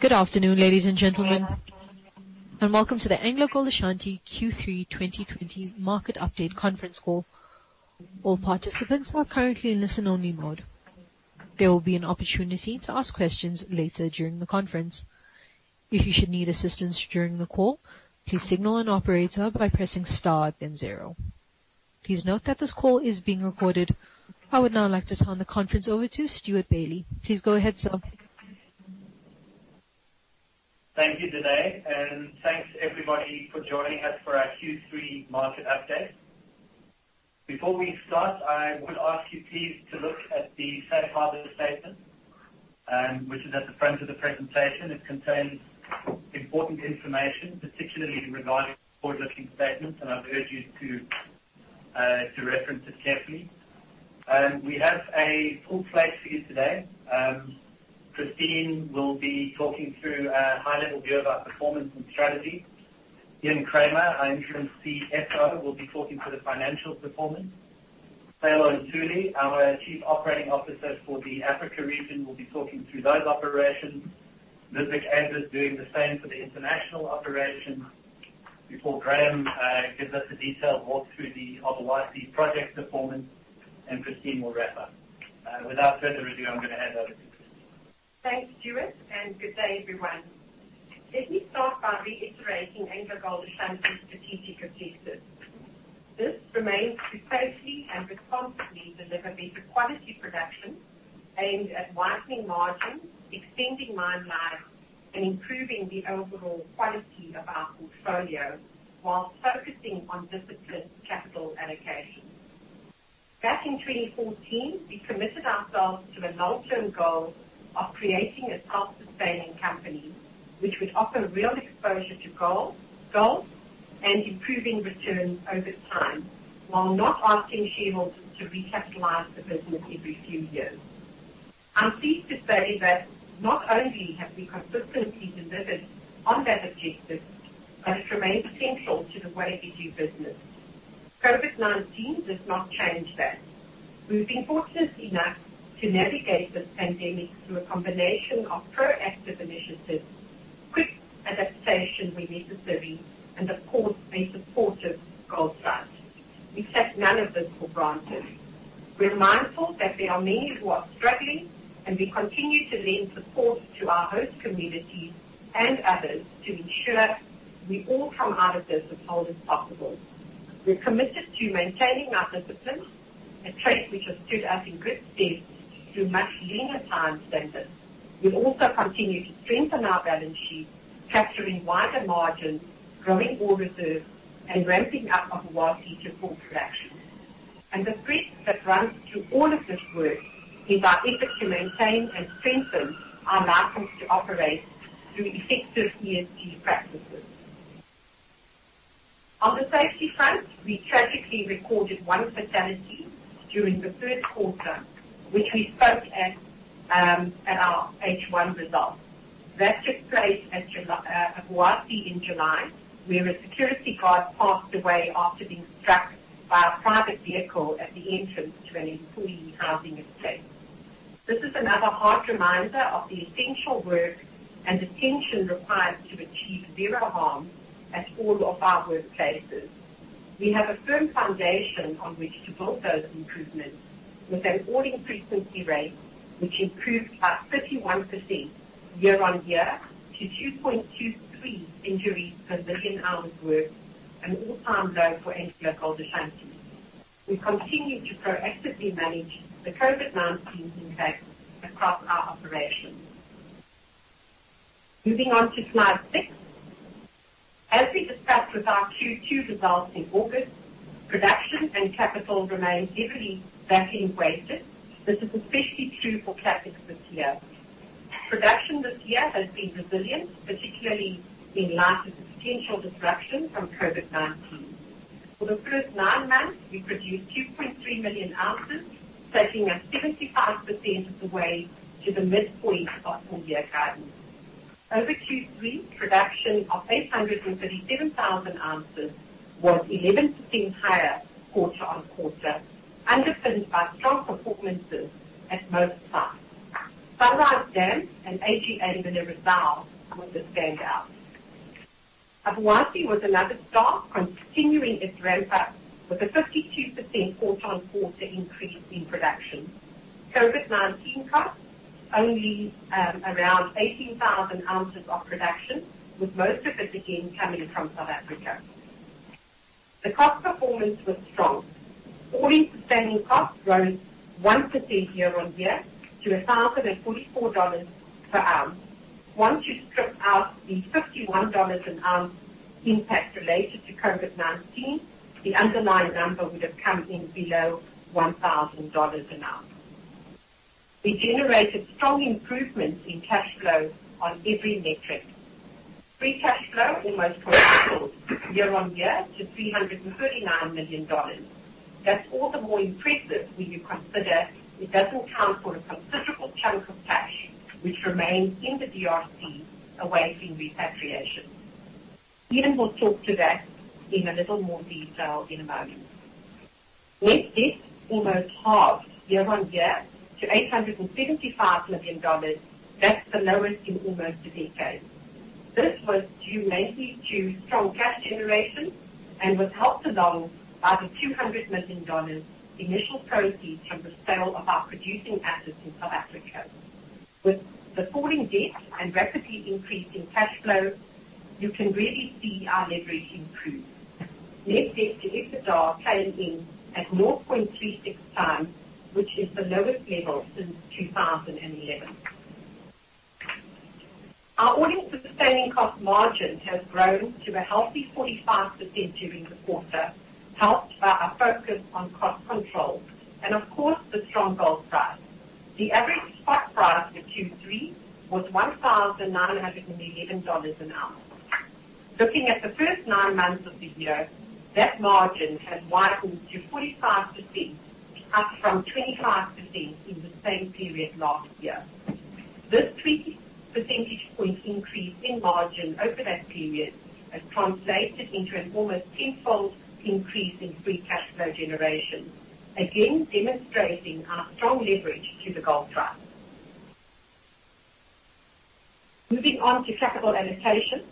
Good afternoon, ladies and gentlemen, and welcome to the AngloGold Ashanti Q3 2020 market update conference call. All participants are currently on listen only mode. There will be an opportunity to ask questions later during the conference. If you should need assistance during the call, please signal an operator by pressing star then zero. Please note that this call is being recorded. I would now like to turn the conference over to Stewart Bailey. Please go ahead, sir. Thank you, Danae. Thanks, everybody, for joining us for our Q3 market update. Before we start, I would ask you please to look at the safe harbor statement, which is at the front of the presentation. It contains important information, particularly regarding forward-looking statements. I urge you to reference it carefully. We have a full plate for you today. Christine will be talking through a high-level view of our performance and strategy. Ian Kramer, our Interim CFO, will be talking through the financial performance. Sicelo Ntuli, our Chief Operating Officer for the Africa region, will be talking through those operations. Ludwig Eybers doing the same for the international operations before Graham gives us a detailed walk-through the Obuasi project performance. Christine will wrap up. Without further ado, I'm going to hand over to Christine. Thanks, Stewart, and good day, everyone. Let me start by reiterating AngloGold Ashanti's strategic objectives. This remains to safely and responsibly deliver better quality production aimed at widening margins, extending mine life, and improving the overall quality of our portfolio while focusing on disciplined capital allocation. Back in 2014, we committed ourselves to a long-term goal of creating a self-sustaining company, which would offer real exposure to gold and improving returns over time while not asking shareholders to recapitalize the business every few years. I'm pleased to say that not only have we consistently delivered on that objective, but it remains central to the way we do business. COVID-19 does not change that. We've been fortunate enough to navigate this pandemic through a combination of proactive initiatives, quick adaptation where necessary, and of course, a supportive gold price. We take none of this for granted. We're mindful that there are many who are struggling, and we continue to lend support to our host communities and others to ensure we all come out of this as whole as possible. We're committed to maintaining our discipline, a trait which has stood us in good stead through much leaner time standards. We've also continued to strengthen our balance sheet, capturing wider margins, growing Ore Reserves, and ramping up Obuasi to full production. The thread that runs through all of this work is our effort to maintain and strengthen our license to operate through effective ESG practices. On the safety front, we tragically recorded one fatality during the first quarter, which we spoke at our H1 results. That took place at Obuasi in July, where a security guard passed away after being struck by a private vehicle at the entrance to an employee housing estate. This is another hard reminder of the essential work and attention required to achieve zero harm at all of our workplaces. We have a firm foundation on which to build those improvements with an all-in frequency rate which improved by 31% year-on-year to 2.23 injuries per million hours worked, an all-time low for AngloGold Ashanti. We continue to proactively manage the COVID-19 impact across our operations. Moving on to slide six. As we discussed with our Q2 results in August, production and capital remain heavily backing weighted. This is especially true for CapEx this year. Production this year has been resilient, particularly in light of the potential disruption from COVID-19. For the first nine months, we produced 2.3 million ounces, taking us 75% of the way to the midpoint of our full-year guidance. Over Q3, production of 837,000 oz was 11% higher quarter-on-quarter, underpinned by strong performances at most sites. Sunrise Dam and AGA Mineração were the standouts. Obuasi was another star, continuing its ramp-up with a 52% quarter-on-quarter increase in production. COVID-19 cuts only around 18,000 oz of production, with most of it again coming from South Africa. The cost performance was strong. All-in sustaining costs rose 1% year-on-year to $1,044/oz. Once you strip out the $51 an ounce impact related to COVID-19, the underlying number would have come in below $1,000 an ounce. We generated strong improvements in cash flow on every metric. Free cash flow almost quadrupled year-on-year to $339 million. That's all the more impressive when you consider it doesn't account for a considerable chunk of cash which remains in the DRC, awaiting repatriation. Ian will talk to that in a little more detail in a moment. Net debt almost halved year-on-year to $875 million. That's the lowest in almost a decade. This was due mainly to strong cash generation and was helped along by the $200 million initial proceeds from the sale of our producing assets in South Africa. With the falling debt and rapidly increasing cash flow, you can really see our leverage improve. Net debt to EBITDA came in at 0.36x, which is the lowest level since 2011. Our all-in sustaining cost margins have grown to a healthy 45% during the quarter, helped by our focus on cost control and of course, the strong gold price. The average spot price for Q3 was $1,911 an ounce. Looking at the first nine months of the year, that margin has widened to 45%, up from 25% in the same period last year. This 3 percentage point increase in margin over that period has translated into an almost 10-fold increase in free cash flow generation, again demonstrating our strong leverage to the gold price. Moving on to capital allocation.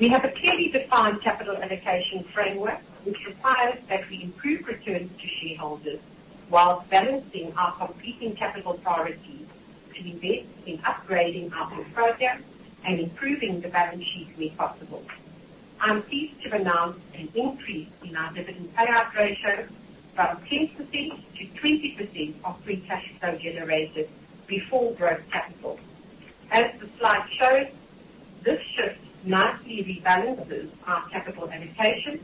We have a clearly defined capital allocation framework, which requires that we improve returns to shareholders while balancing our competing capital priorities to invest in upgrading our portfolio and improving the balance sheet where possible. I'm pleased to announce an increase in our dividend payout ratio from 10% to 20% of free cash flow generated before growth capital. As the slide shows, this shift nicely rebalances our capital allocation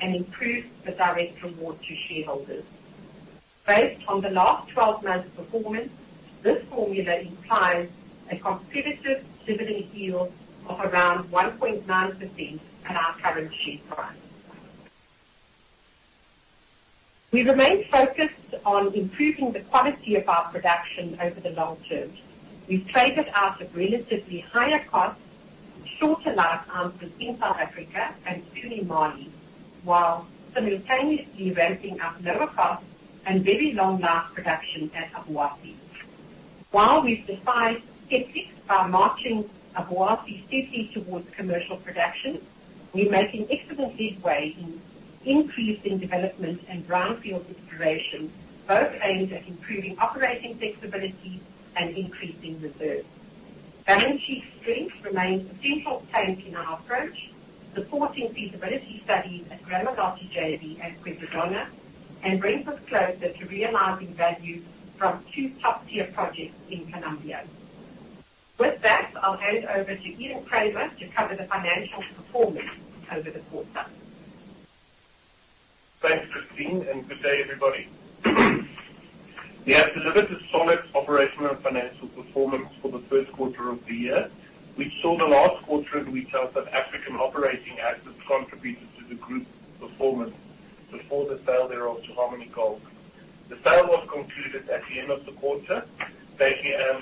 and improves the direct reward to shareholders. Based on the last 12 months' performance, this formula implies a competitive dividend yield of around 1.9% at our current share price. We remain focused on improving the quality of our production over the long term. We've traded out of relatively higher cost and shorter life assets in South Africa and including Mali, while simultaneously ramping up lower cost and very long life production at Obuasi. While we've defied skeptics by marching Obuasi steadily towards commercial production, we're making excellent headway in increasing development and brownfield exploration, both aimed at improving operating flexibility and increasing reserves. Balance sheet strength remains a central plank in our approach, supporting feasibility studies at Gramalote JV and Quebradona, and brings us closer to realizing value from two top-tier projects in Colombia. With that, I'll hand over to Ian Kramer to cover the financial performance over the quarter. Thanks, Christine. Good day, everybody. We have delivered a solid operational and financial performance for the third quarter of the year, which saw the last quarter in which our South African operating assets contributed to the group's performance before the sale thereof to Harmony Gold. The sale was concluded at the end of the quarter,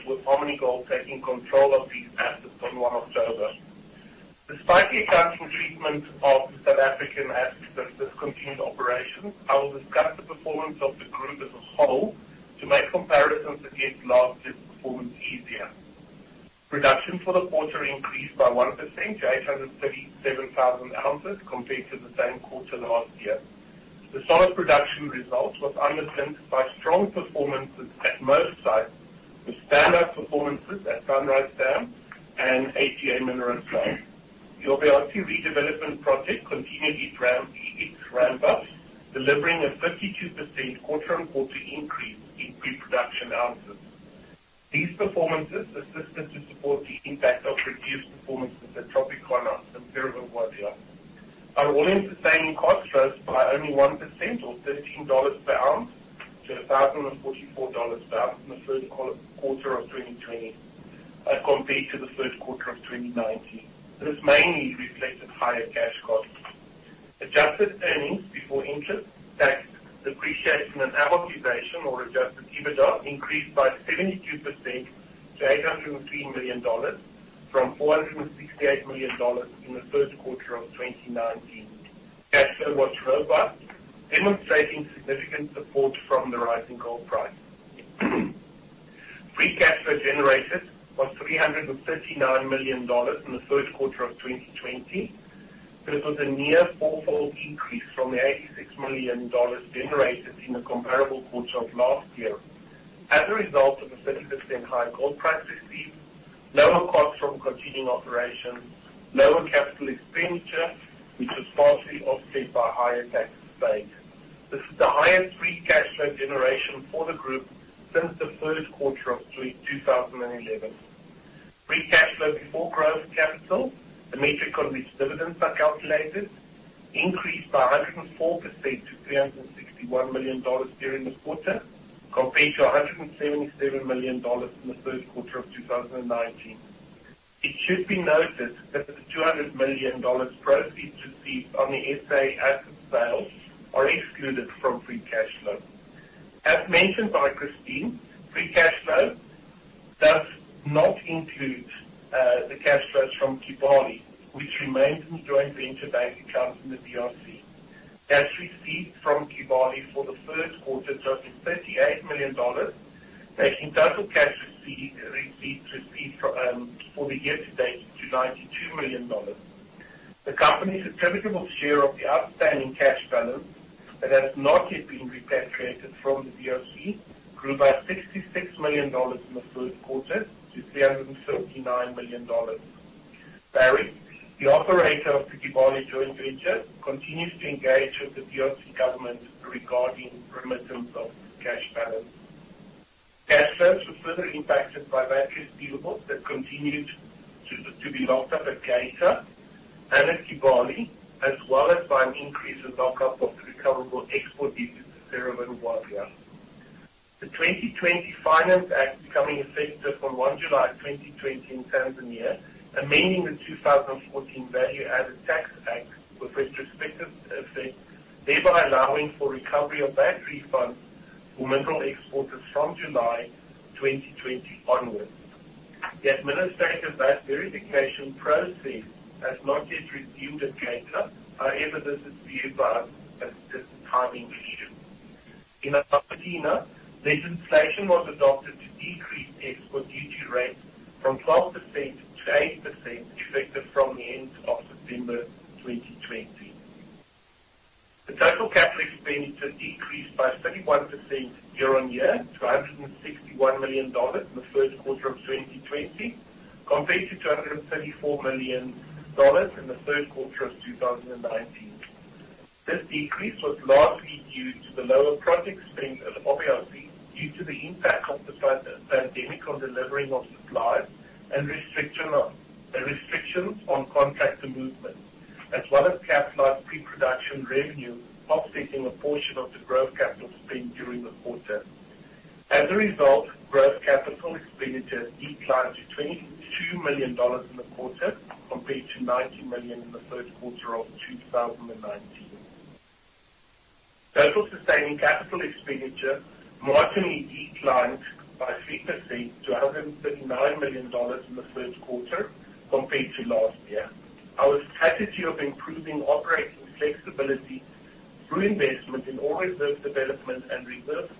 with Harmony Gold taking control of these assets on 1 October. Despite the accounting treatment of the South African assets as discontinued operations, I will discuss the performance of the group as a whole to make comparisons against last year's performance easier. Production for the quarter increased by 1% to 837,000 oz compared to the same quarter last year. The solid production results were underpinned by strong performances at most sites, with standout performances at Sunrise Dam and AGA Mineração. The Obuasi redevelopment project continued its ramp up, delivering a 52% quarter-on-quarter increase in pre-production ounces. These performances assisted to support the impact of reduced performances at Tropicana and Cerro Vanguardia. Our all-in sustaining cost rose by only 1% or $13/oz to $1,044/oz in the third quarter of 2020 as compared to the third quarter of 2019. This mainly reflected higher cash costs. Adjusted earnings before interest, tax, depreciation, and amortization or adjusted EBITDA increased by 72% to $803 million from $468 million in the third quarter of 2019. Cash flow was robust, demonstrating significant support from the rising gold price. Free cash flow generated was $339 million in the third quarter of 2020. This was a near fourfold increase from the $86 million generated in the comparable quarter of last year as a result of a 30% higher gold price received, lower costs from continuing operations, lower capital expenditure, which was partially offset by higher tax paid. This is the highest free cash flow generation for the group since the first quarter of 2011. Free cash flow before growth capital, the metric on which dividends are calculated, increased by 104% to $361 million during this quarter, compared to $177 million in the third quarter of 2019. It should be noted that the $200 million proceeds received on the SA asset sales are excluded from free cash flow. As mentioned by Christine, free cash flow does not include the cash flows from Kibali, which remains in joint venture bank accounts in the DRC. Cash received from Kibali for the first quarter totaled $38 million, making total cash received for the year to date to $92 million. The company's attributable share of the outstanding cash balance that has not yet been repatriated from the DRC grew by $66 million in the first quarter to $339 million. Barrick, the operator of the Kibali joint venture, continues to engage with the DRC government regarding remittance of cash balance. Cash flows were further impacted by VAT receivables that continued to be locked up at Geita and at Kibali, as well as by an increase in lock-up of recoverable export duties at Cerro Vanguardia. The 2020 Finance Act becoming effective on 1 July 2020 in Tanzania, amending the 2014 Value-Added Tax Act with retrospective effect, thereby allowing for recovery of VAT refunds for mineral exporters from July 2020 onwards. The administrative VAT verification process has not yet resumed at Geita. This is viewed by us as just timing issue. In Argentina, legislation was adopted to decrease export duty rates from 12% to 8%, effective from the end of September 2020. The total capital expenditure decreased by 31% year-on-year to $161 million in the first quarter of 2020, compared to $234 million in the third quarter of 2019. This decrease was largely due to the lower project spend at Obuasi, due to the impact of the pandemic on delivering of supplies and restrictions on contractor movement, as well as capitalized pre-production revenue offsetting a portion of the growth capital spend during the quarter. Growth capital expenditure declined to $22 million in the quarter, compared to $19 million in the third quarter of 2019. Total sustaining capital expenditure marginally declined by 3% to $139 million in the first quarter compared to last year. Our strategy of improving operating flexibility through investment in Ore Reserve development and reserve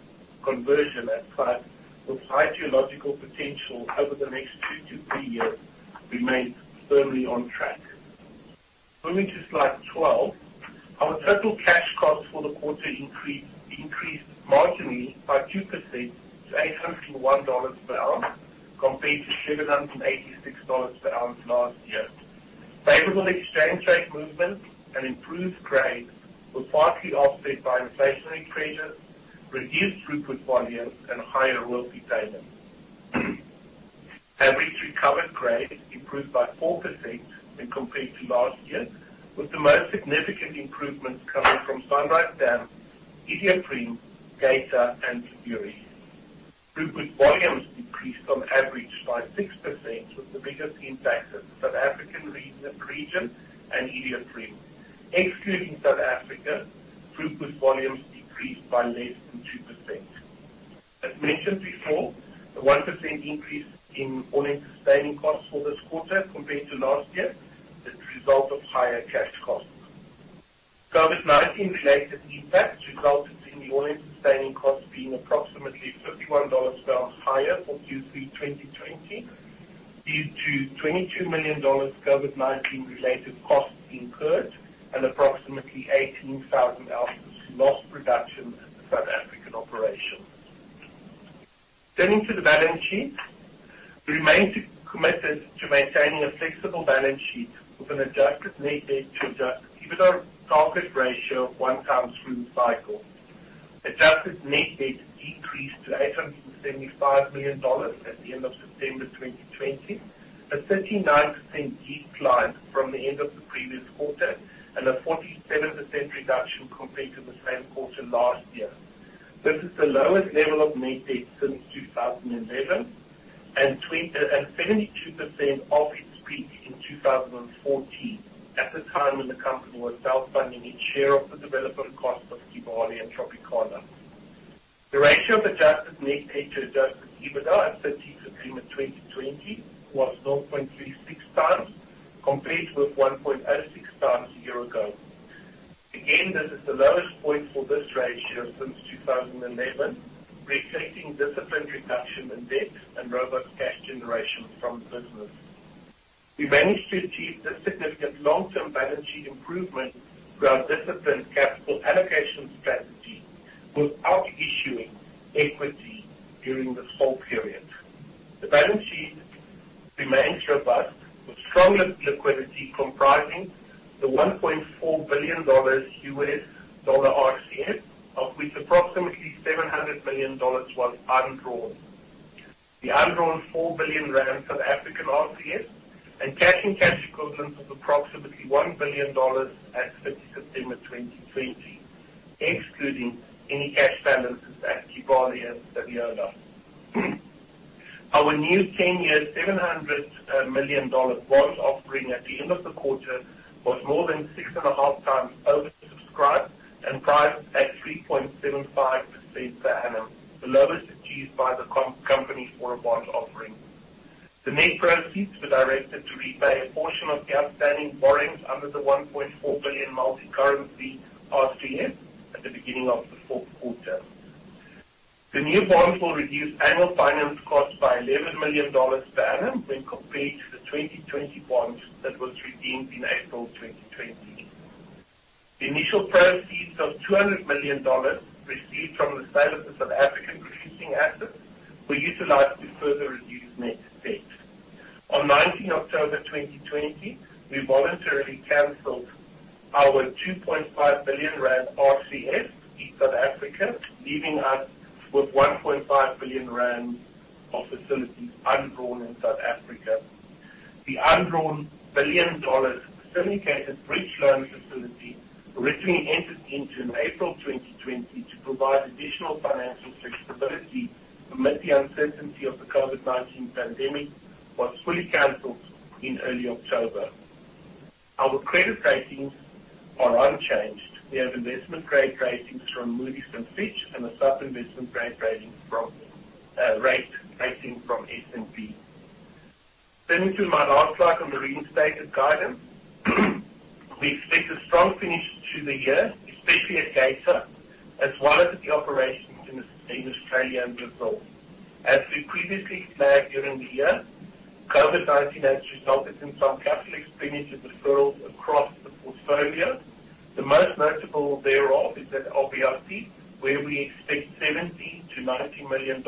conversion at sites with high geological potential over the next two to three years remains firmly on track. Moving to slide 12, our total cash cost for the quarter increased marginally by 2% to $801/oz, compared to $786/oz last year. Favorable exchange rate movements and improved grades were partly offset by inflationary pressures, reduced throughput volumes, and higher royalty payments. Average recovered grades improved by 4% when compared to last year, with the most significant improvements coming from Sunrise Dam, Iduapriem, Geita, and Siguiri. Throughput volumes decreased on average by 6%, with the biggest impact at South African region and Iduapriem. Excluding South Africa, throughput volumes decreased by less than 2%. As mentioned before, the 1% increase in all-in sustaining cost for this quarter compared to last year is the result of higher cash costs. COVID-19-related impacts resulted in the all-in sustaining cost being approximately $51/oz higher for Q3 2020 due to $22 million COVID-19-related costs incurred and approximately 18,000 oz lost production at the South African operations. Turning to the balance sheet. We remain committed to maintaining a flexible balance sheet with an adjusted net debt to adjusted EBITDA target ratio of 1x through the cycle. Adjusted net debt decreased to $875 million at the end of September 2020, a 39% decline from the end of the previous quarter and a 47% reduction compared to the same quarter last year. This is the lowest level of net debt since 2011 and 72% off its peak in 2014, at the time when the company was self-funding its share of the development cost of Kibali and Tropicana. The ratio of adjusted net debt to adjusted EBITDA at 30 September 2020 was 0.36x, compared with 1.06x a year ago. This is the lowest point for this ratio since 2011, reflecting disciplined reduction in debt and robust cash generation from the business. We managed to achieve this significant long-term balance sheet improvement through our disciplined capital allocation strategy without issuing equity during this whole period. The balance sheet remains robust, with strong liquidity comprising the $1.4 billion RCF, of which approximately $700 million was undrawn. The undrawn ZAR 4 billion South African RCF and cash and cash equivalents of approximately $1 billion at 30 September 2020, excluding any cash balances at Kibali and Sadiola. Our new 10-year $700 million bond offering at the end of the quarter was more than 6.5x oversubscribed and priced at 3.75% per annum, the lowest achieved by the company for a bond offering. The net proceeds were directed to repay a portion of the outstanding borrowings under the $1.4 billion multi-currency RCF at the beginning of the fourth quarter. The new bonds will reduce annual finance costs by $11 million per annum when compared to the 2020 bond that was redeemed in April 2020. The initial proceeds of $200 million received from the sale of the South African producing assets were utilized to further reduce net debt. On 19 October 2020, we voluntarily canceled our 2.5 billion rand RCF in South Africa, leaving us with 1.5 billion rand of facilities undrawn in South Africa. The undrawn billion dollars syndicated bridge loan facility originally entered into in April 2020 to provide additional financial flexibility amid the uncertainty of the COVID-19 pandemic was fully canceled in early October. Our credit ratings are unchanged. We have investment grade ratings from Moody's and Fitch, and a sub-investment grade rating from S&P. Turning to my last slide on the restated guidance, we expect a strong finish to the year, especially at Geita, as well as at the operations in Australia and Brazil. As we previously flagged during the year, COVID-19 has resulted in some capital expenditure deferrals across the portfolio. The most notable thereof is at Obuasi, where we expect $70 million-$90 million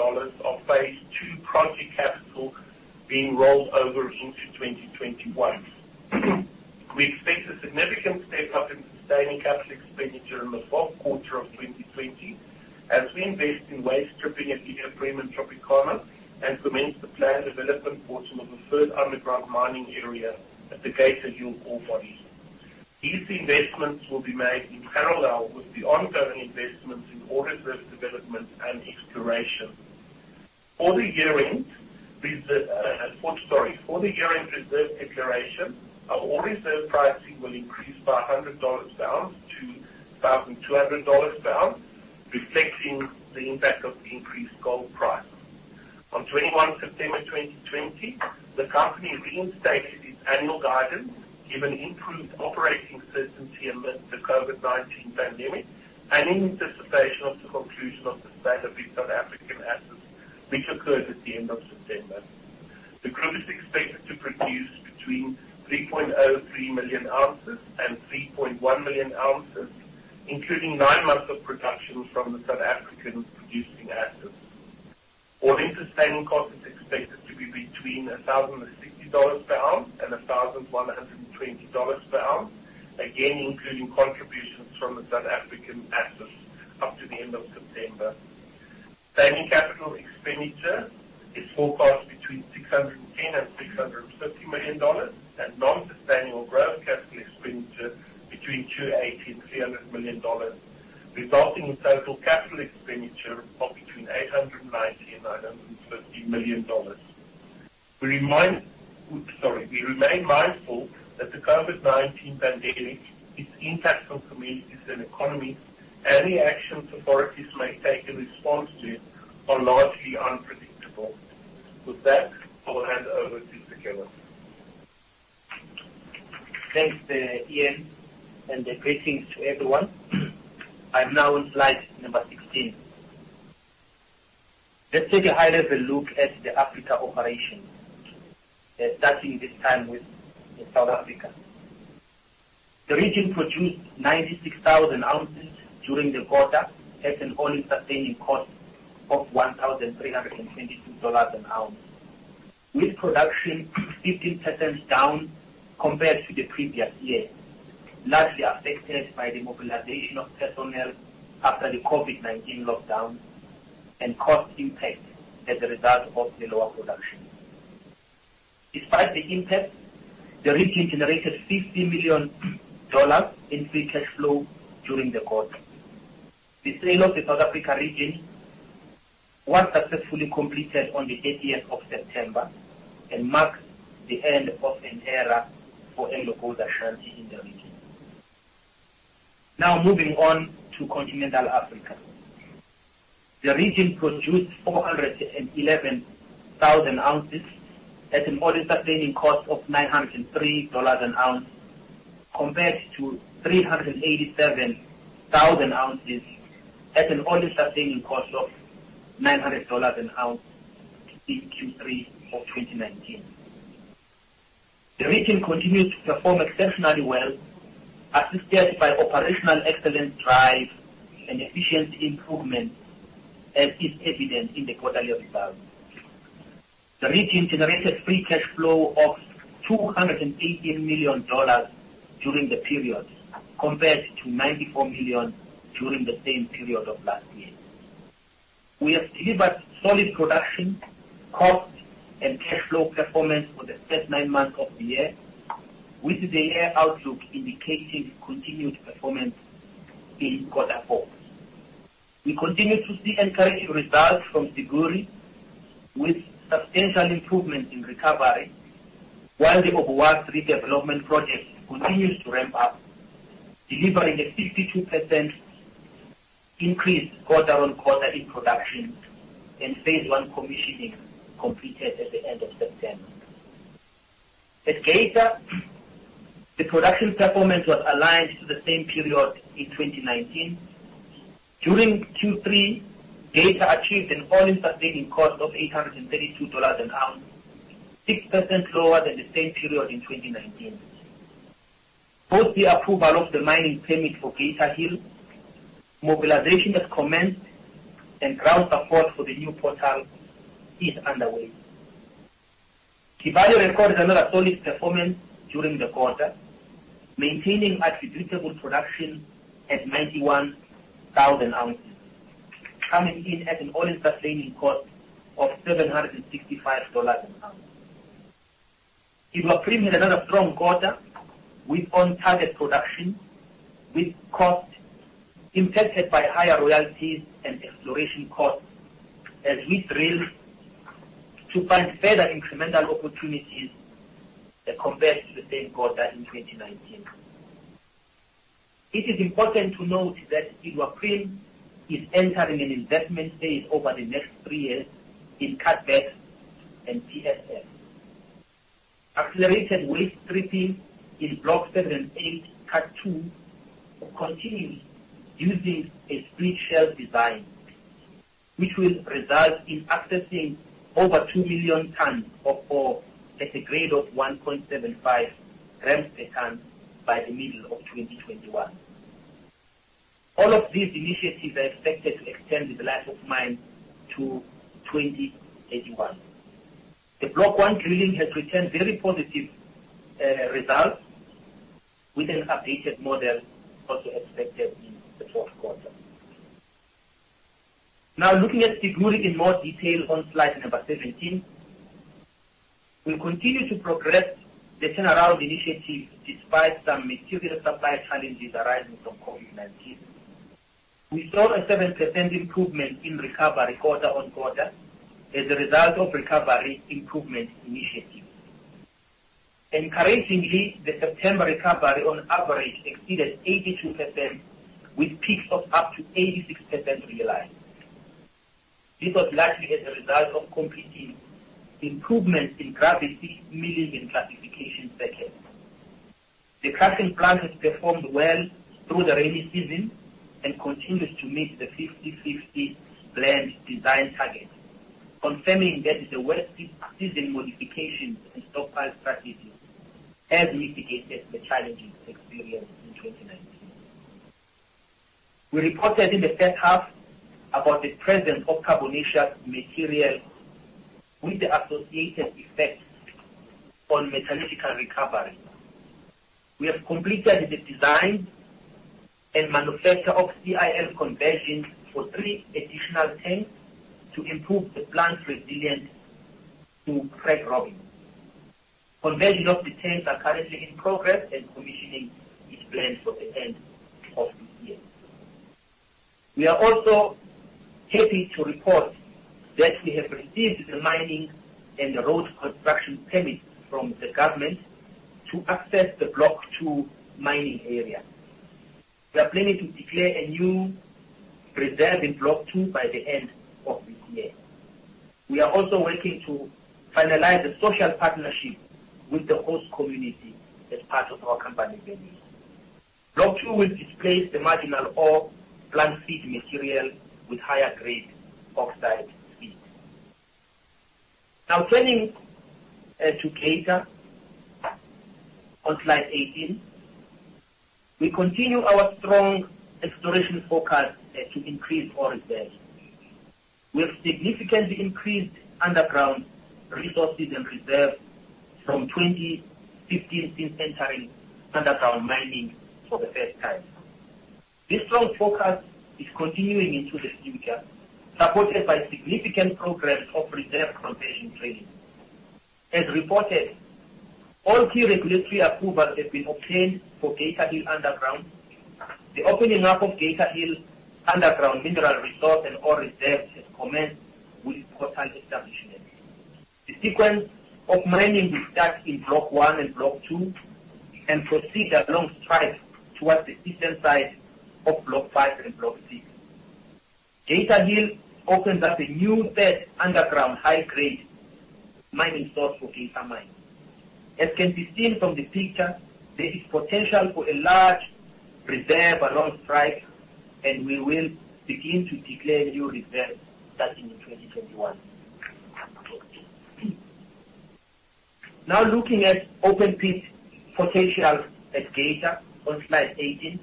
of Phase 2 project capital being rolled over into 2021. We expect a significant step-up in sustaining capital expenditure in the fourth quarter of 2020 as we invest in waste stripping at the Iduapriem and Tropicana and commence the planned development portion of the third underground mining area at the Geita Hill ore body. These investments will be made in parallel with the ongoing investments in Ore Reserve development and exploration. For the year-end reserve declaration, our Ore Reserve pricing will increase by $100 an ounce to $1,200 an ounce, reflecting the impact of the increased gold price. On 21 September 2020, the company restated its annual guidance given improved operating certainty amid the COVID-19 pandemic and in anticipation of the conclusion of the sale of its South African assets, which occurred at the end of September. The group is expected to produce between 3.03 million ounces and 3.1 million ounces, including nine months of production from the South African producing assets. All-in sustaining cost is expected to be between $1,060 and $1,120 an ounce, again, including contributions from the South African assets up to the end of September. Sustaining capital expenditure is forecast between $610 million and $650 million, and non-sustaining or growth capital expenditure between $280 million and $300 million, resulting in total capital expenditure of between $890 million and $950 million. We remain mindful that the COVID-19 pandemic, its impact on communities and economies, any actions authorities may take in response to it, are largely unpredictable. With that, I'll hand over to Sicelo. Thanks, Ian, and greetings to everyone. I'm now on slide number 16. Let's take a high-level look at the Africa operations, starting this time with South Africa. The region produced 96,000 oz during the quarter at an all-in sustaining cost of $1,322 an ounce, with production 15% down compared to the previous year, largely affected by the mobilization of personnel after the COVID-19 lockdown and cost impact as a result of the lower production. Despite the impact, the region generated $50 million in free cash flow during the quarter. The sale of the South Africa region was successfully completed on the 30th of September and marks the end of an era for AngloGold Ashanti in the region. Now moving on to continental Africa. The region produced 411,000 oz at an all-in sustaining cost of $903 an ounce compared to 387,000 oz at an all-in sustaining cost of $900 an ounce in Q3 of 2019. The region continues to perform exceptionally well, assisted by operational excellence drive and efficiency improvement, as is evident in the quarterly results. The region generated free cash flow of $218 million during the period, compared to $94 million during the same period of last year. We have delivered solid production, cost, and cash flow performance for the first nine months of the year, with the year outlook indicating continued performance in quarter four. We continue to see encouraging results from Siguiri with substantial improvement in recovery, while the Obuasi redevelopment project continues to ramp up, delivering a 62% increase quarter on quarter in production, and Phase 1 commissioning completed at the end of September. At Geita, the production performance was aligned to the same period in 2019. During Q3, Geita achieved an all-in sustaining cost of $832 an ounce, 6% lower than the same period in 2019. Post the approval of the mining permit for Geita Hill, mobilization has commenced, and ground support for the new portal is underway. Kibali recorded another solid performance during the quarter, maintaining attributable production at 91,000 oz, coming in at an all-in sustaining cost of $765 an ounce. Iduapriem had another strong quarter with on-target production, with cost impacted by higher royalties and exploration costs as we drill to find further incremental opportunities that compared to the same quarter in 2019. It is important to note that Iduapriem is entering an investment phase over the next three years in cutback and TSF. Accelerated waste stripping in Block 7 and 8, Cut 2, continues using a split shell design, which will result in accessing over 2 million tons of ore at a grade of 1.75 g/ton by the middle of 2021. All of these initiatives are expected to extend the life of mine to 2081. The Block 1 drilling has returned very positive results, with an updated model also expected in the fourth quarter. Looking at Siguiri in more detail on slide number 17. We continue to progress the turnaround initiative despite some material supply challenges arising from COVID-19. We saw a 7% improvement in recovery quarter-on-quarter as a result of recovery improvement initiatives. Encouragingly, the September recovery on average exceeded 82% with peaks of up to 86% realized. This was largely as a result of completing improvements in gravity milling and classification circuits. The crushing plant has performed well through the rainy season and continues to meet the 50/50 blend design target, confirming that the wet season modifications and stockpile strategies have mitigated the challenges experienced in 2019. We reported in the first half about the presence of carbonaceous material with the associated effects on metallurgical recovery. We have completed the design and manufacture of CIL conversions for three additional tanks to improve the plant resilience to grade robbing. Conversion of the tanks are currently in progress and commissioning is planned for the end of this year. We are also happy to report that we have received the mining and road construction permit from the government to access the Block 2 mining area. We are planning to declare a new reserve in Block 2 by the end of this year. We are also working to finalize a social partnership with the host community as part of our company values. Block 2 will displace the marginal ore plant feed material with higher grade oxide feed. Turning to Geita on slide 18. We continue our strong exploration focus to increase Ore Reserves. We have significantly increased underground resources and reserves from 2015 since entering underground mining for the first time. This strong focus is continuing into the future, supported by significant progress of reserve conversion drilling. As reported, all key regulatory approvals have been obtained for Geita Hill underground. The opening up of Geita Hill underground mineral resource and Ore Reserve has commenced with portal establishment. The sequence of mining will start in Block 1 and Block 2 and proceed along strike towards the eastern side of Block 5 and Block 6. Geita Hill opens up a new third underground high-grade mining source for Geita mine. As can be seen from the picture, there is potential for a large reserve along strike, we will begin to declare new reserves starting in 2021. Looking at open pit potential at Geita on slide 18.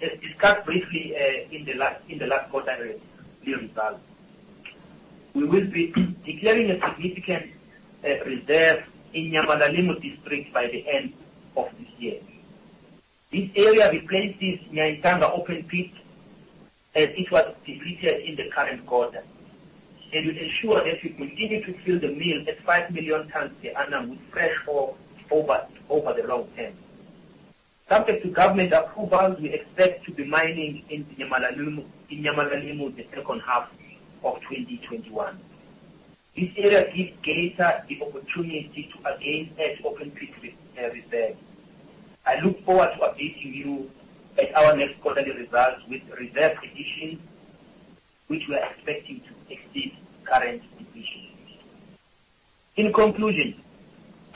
As discussed briefly in the last quarterly results. We will be declaring a significant reserve in Nyamulilima by the end of this year. This area replaces Nyankanga open pit as it was depleted in the current quarter. It will ensure that we continue to fuel the mill at 5 million tons per annum with fresh ore over the long term. Subject to government approvals, we expect to be mining in Nyamulilima in the second half of 2021. This area gives Geita the opportunity to again add open pit reserve. I look forward to updating you at our next quarterly results with reserve additions, which we are expecting to exceed current depletion. In conclusion,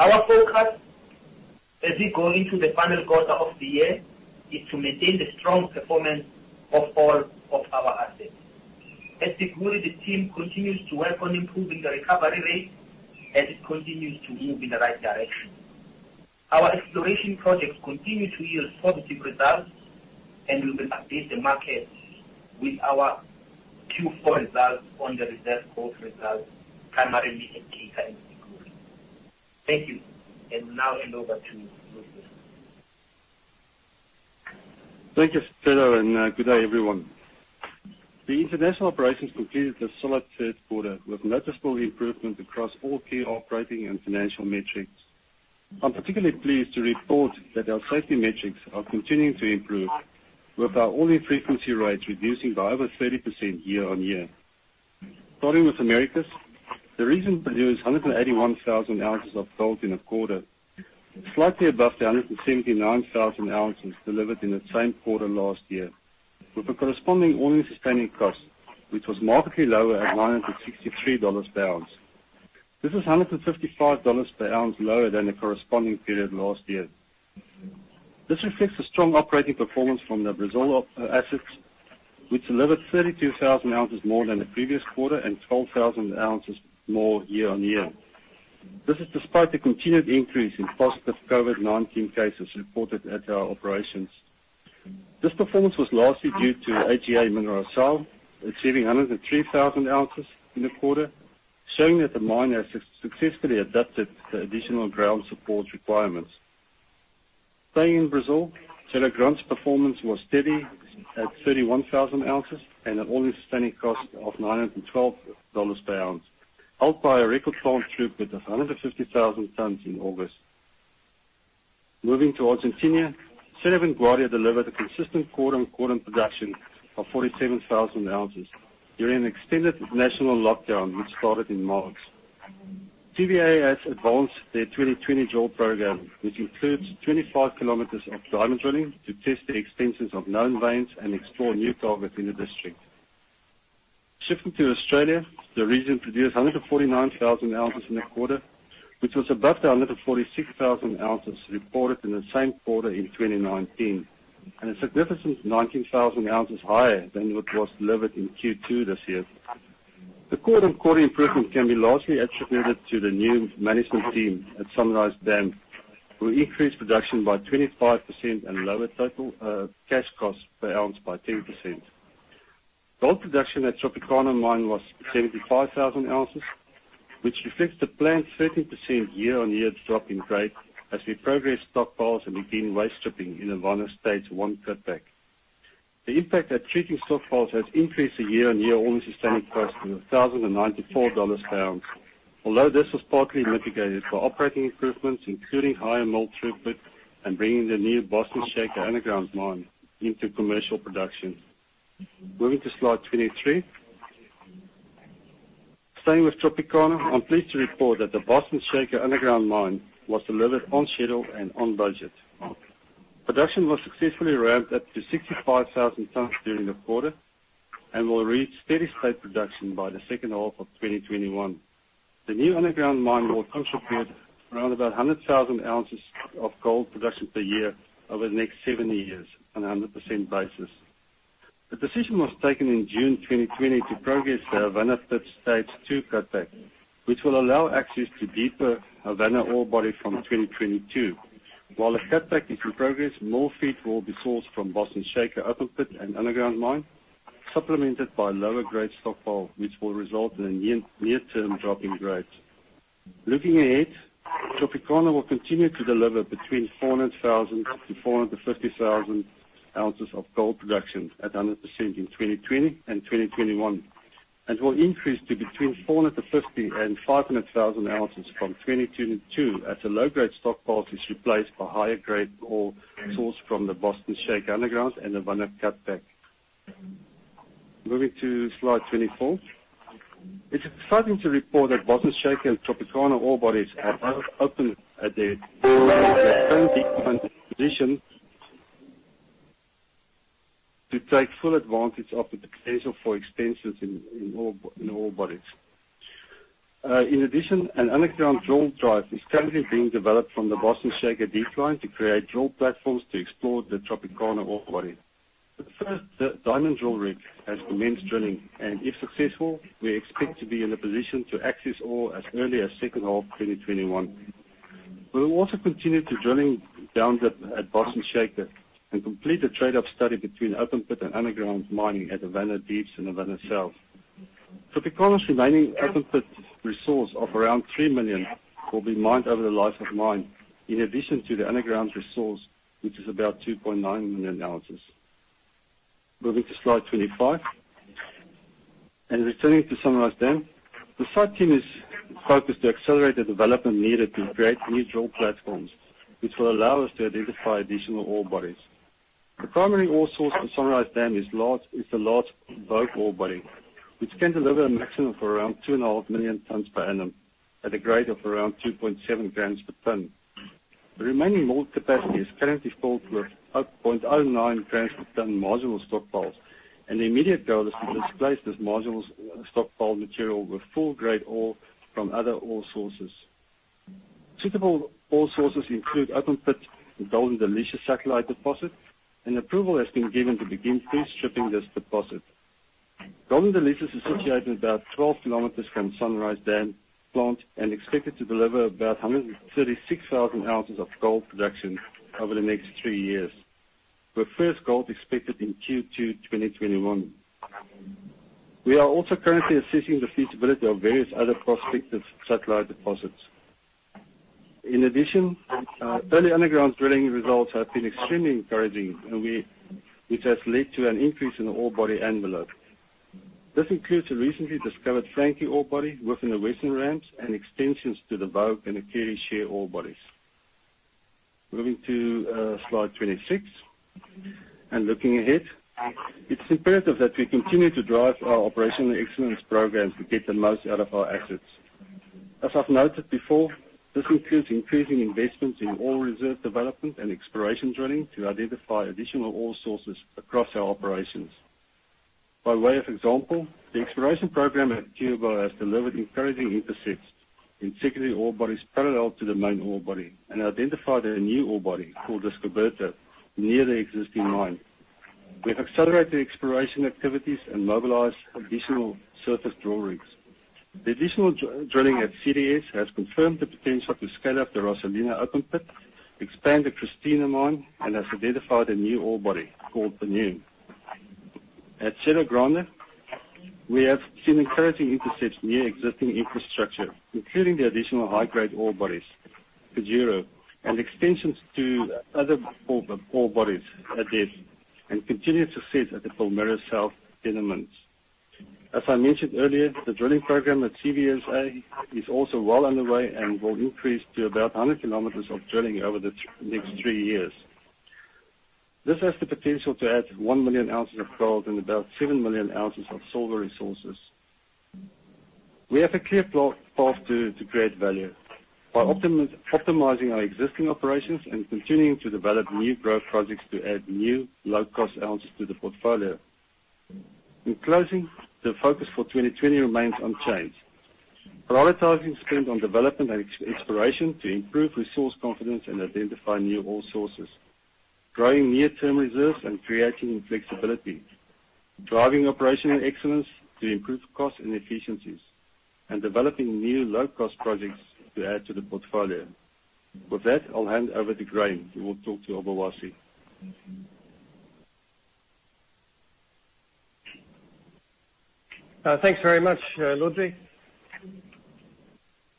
our focus as we go into the final quarter of the year is to maintain the strong performance of all of our assets. At Siguiri, the team continues to work on improving the recovery rate as it continues to move in the right direction. Our exploration projects continue to yield positive results, and we will update the market with our Q4 results on the reserve growth results, primarily at Geita and Siguiri. Thank you. I will now hand over to Ludwig. Thank you, Sicelo, and good day, everyone. The international operations completed a solid third quarter with noticeable improvement across all key operating and financial metrics. I'm particularly pleased to report that our safety metrics are continuing to improve with our all-in frequency rates reducing by over 30% year-on-year. Starting with Americas. The region produced 181,000 oz of gold in the quarter, slightly above the 179,000 oz delivered in the same quarter last year, with a corresponding all-in sustaining cost, which was markedly lower at $963/oz. This is $155/oz lower than the corresponding period last year. This reflects a strong operating performance from the Brazil assets, which delivered 32,000 oz more than the previous quarter and 12,000 oz more year-on-year. This is despite a continued increase in positive COVID-19 cases reported at our operations. This performance was largely due to AGA Mineração receiving 103,000 oz in the quarter, showing that the mine has successfully adapted to the additional ground support requirements. Staying in Brazil, Serra Grande's performance was steady at 31,000 oz and an all-in sustaining cost of $912/oz, helped by a record plant throughput of 150,000 tons in August. Moving to Argentina, Cerro Vanguardia delivered a consistent quarter-on-quarter production of 47,000 oz during an extended national lockdown, which started in March. CVSA has advanced their 2020 drill program, which includes 25 km of diamond drilling to test the extenses of known veins and explore new targets in the district. Shifting to Australia, the region produced 149,000 oz in the quarter, which was above the 146,000 oz reported in the same quarter in 2019, and a significant 19,000 oz higher than what was delivered in Q2 this year. The quarter-on-quarter improvement can be largely attributed to the new management team at Sunrise Dam, who increased production by 25% and lowered total cash cost per ounce by 10%. Gold production at Tropicana Mine was 75,000 oz, which reflects the planned 13% year-on-year drop in grade as we progress stockpiles and begin waste stripping in Havana stage 1 cutback. The impact of treating stockpiles has increased the year-on-year all-in sustaining cost to $1,094/oz, although this was partly mitigated by operating improvements, including higher mill throughput and bringing the new Boston Shaker underground mine into commercial production. Moving to slide 23. Staying with Tropicana, I'm pleased to report that the Boston Shaker underground mine was delivered on schedule and on budget. Production was successfully ramped up to 65,000 tons during the quarter and will reach steady state production by the second half of 2021. The new underground mine will contribute around about 100,000 oz of gold production per year over the next seven years on a 100% basis. The decision was taken in June 2020 to progress the Havana stage 2 cutback, which will allow access to deeper Havana ore body from 2022. While the cutback is in progress, more feed will be sourced from Boston Shaker open pit and underground mine, supplemented by lower grade stockpile, which will result in a near-term drop in grades. Looking ahead, Tropicana will continue to deliver between 400,000 oz-450,000 oz of gold production at 100% in 2020 and 2021, and will increase to between 450,000 oz and 500,000 oz from 2022 as the low-grade stockpile is replaced by higher-grade ore sourced from the Boston Shaker underground and Havana cutback. Moving to slide 24. It's exciting to report that Boston Shaker and Tropicana ore bodies are open at their decline position to take full advantage of the potential for extensions in ore bodies. In addition, an underground drill drive is currently being developed from the Boston Shaker decline to create drill platforms to explore the Tropicana ore body. The first diamond drill rig has commenced drilling, and if successful, we expect to be in a position to access ore as early as second half 2021. We will also continue the drilling down dip at Boston Shaker and complete a trade-off study between open pit and underground mining at Havana pits and Havana South. Tropicana's remaining open pit resource of around 3 million ounces will be mined over the life of mine, in addition to the underground resource, which is about 2.9 million ounces. Moving to slide 25. Returning to Sunrise Dam, the site team is focused to accelerate the development needed to create new drill platforms, which will allow us to identify additional ore bodies. The primary ore source for Sunrise Dam is the large Vogue ore body, which can deliver a maximum of around 2.5 million tons per annum at a grade of around 2.7 g/ton. The remaining mill capacity is currently filled with 0.09 g/ton marginal stockpiles. The immediate goal is to displace this marginal stockpile material with full-grade ore from other ore sources. Suitable ore sources include open pit and Golden Delicious satellite deposit. Approval has been given to begin pre-stripping this deposit. Golden Delicious is situated about 12 km from Sunrise Dam plant and expected to deliver about 136,000 oz of gold production over the next three years, with first gold expected in Q2 2021. We are also currently assessing the feasibility of various other prospective satellite deposits. In addition, early underground drilling results have been extremely encouraging, and which has led to an increase in the ore body envelope. This includes a recently discovered Frankie ore body within the western ramps and extensions to the Vogue and the Carey Shear ore bodies. Moving to slide 26, and looking ahead, it's imperative that we continue to drive our operational excellence programs to get the most out of our assets. As I've noted before, this includes increasing investments in Ore Reserve development and exploration drilling to identify additional ore sources across our operations. By way of example, the exploration program at Cuiabá has delivered encouraging intercepts in secondary ore bodies parallel to the main ore body and identified a new ore body called Descoberto near the existing mine. We have accelerated exploration activities and mobilized additional surface drill rigs. The additional drilling at CDS has confirmed the potential to scale up the Rosalino open pit, expand the Cristina mine, and has identified a new ore body called Pneu. At Serra Grande, we have seen encouraging intercepts near existing infrastructure, including the additional high-grade ore bodies, [inaudible] and extensions to other ore bodies at depth, and continued success at the Palmeiras Sul tenements. As I mentioned earlier, the drilling program at CVSA is also well underway and will increase to about 100 km of drilling over the next three years. This has the potential to add 1 million ounces of gold and about 7 million ounces of silver resources. We have a clear path to create value by optimizing our existing operations and continuing to develop new growth projects to add new low-cost ounces to the portfolio. In closing, the focus for 2020 remains unchanged. Prioritizing spend on development and exploration to improve resource confidence and identify new ore sources, growing near-term reserves and creating flexibility, driving operational excellence to improve cost and efficiencies, and developing new low-cost projects to add to the portfolio. With that, I'll hand over to Graham, who will talk to Obuasi. Thanks very much, Ludwig.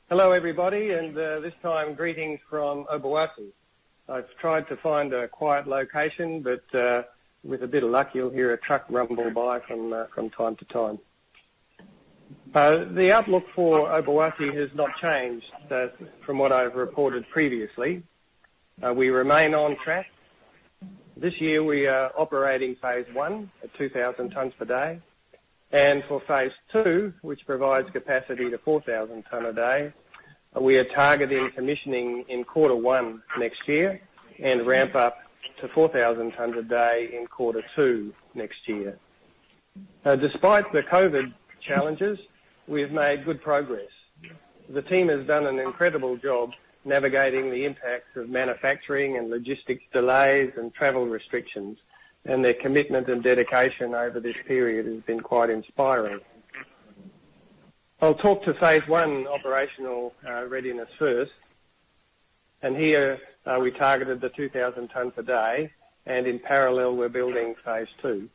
Hello, everybody, and this time, greetings from Obuasi. I've tried to find a quiet location, but with a bit of luck, you'll hear a truck rumble by from time to time. The outlook for Obuasi has not changed from what I've reported previously. We remain on track. This year, we are operating Phase 1 at 2,000 tons a day. For Phase 2, which provides capacity to 4,000 ton a day, we are targeting commissioning in quarter one next year and ramp up to 4,000 tons a day in quarter two next year. Despite the COVID-19 challenges, we've made good progress. The team has done an incredible job navigating the impacts of manufacturing and logistics delays and travel restrictions, and their commitment and dedication over this period has been quite inspiring. I'll talk to Phase 1 operational readiness first, and here we targeted the 2,000 tons a day, and in parallel, we're building Phase 2.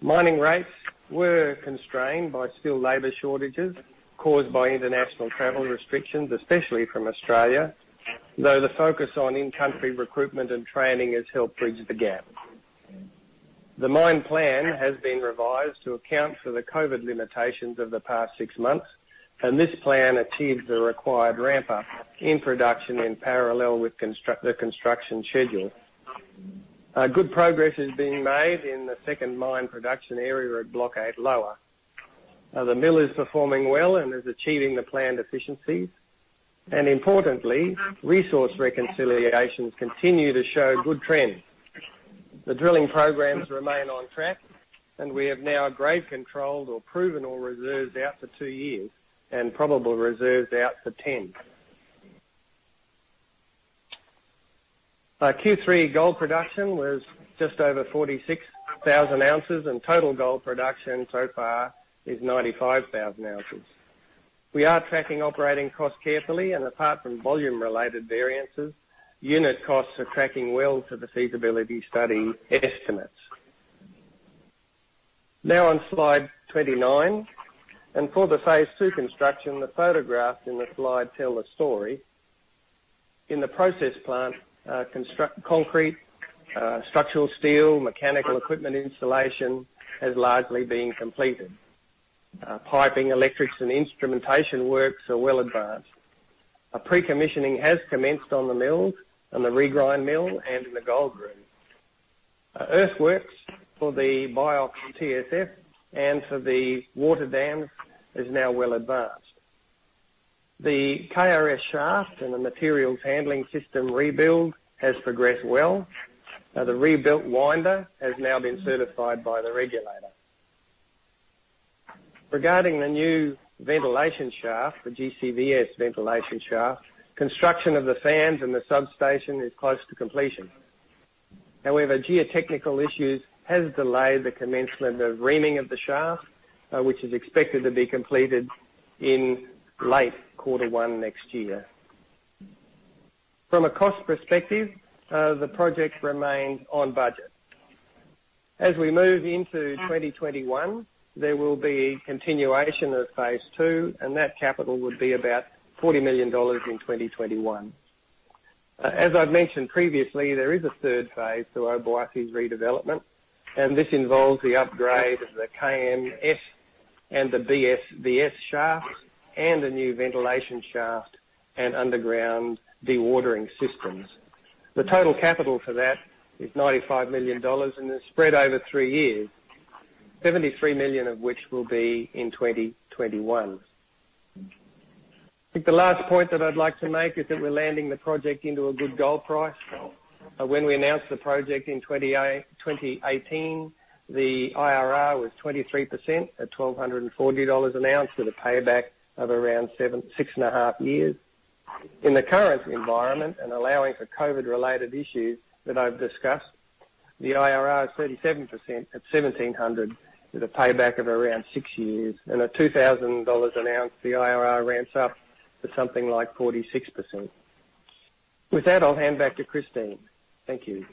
Mining rates were constrained by skill labor shortages caused by international travel restrictions, especially from Australia, though the focus on in-country recruitment and training has helped bridge the gap. The mine plan has been revised to account for the COVID limitations of the past six months. This plan achieves the required ramp-up in production in parallel with the construction schedule. Good progress is being made in the second mine production area at Block 8 Lower. The mill is performing well and is achieving the planned efficiencies. Importantly, resource reconciliations continue to show good trends. The drilling programs remain on track. We have now grade controlled or proven Ore Reserves out for two years and probable reserves out for 10. Q3 gold production was just over 46,000 oz, and total gold production so far is 95,000 oz. We are tracking operating costs carefully, and apart from volume-related variances, unit costs are tracking well to the feasibility study estimates. Now on slide 29, and for the Phase 2 construction, the photographs in the slide tell a story. In the process plant, concrete, structural steel, mechanical equipment installation has largely been completed. Piping, electrics, and instrumentation works are well advanced. A pre-commissioning has commenced on the mills, on the regrind mill, and in the gold room. Earthworks for the Biox TSF and for the water dam is now well advanced. The KRS shaft and the materials handling system rebuild has progressed well. The rebuilt winder has now been certified by the regulator. Regarding the new ventilation shaft, the GCVS ventilation shaft, construction of the fans and the substation is close to completion. However, geotechnical issues has delayed the commencement of reaming of the shaft, which is expected to be completed in late quarter one next year. From a cost perspective, the project remains on budget. As we move into 2021, there will be continuation of Phase 2, that capital would be about $40 million in 2021. As I've mentioned previously, there is a Phase 3 to Obuasi's redevelopment, this involves the upgrade of the KMS and the BSVS shafts and a new ventilation shaft and underground dewatering systems. The total capital for that is $95 million, it's spread over three years, $73 million of which will be in 2021. I think the last point that I'd like to make is that we're landing the project into a good gold price. When we announced the project in 2018, the IRR was 23% at $1,240 an ounce, with a payback of around six and a half years. In the current environment and allowing for COVID-19 related issues that I've discussed, the IRR is 37% at $1,700, with a payback of around six years. At $2,000 an ounce, the IRR ramps up to something like 46%. With that, I'll hand back to Christine. Thank you.